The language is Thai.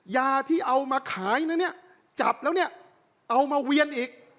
ยาที่เอามาขายนะเนี่ยจับแล้วเนี่ยเอามาเวียนอีก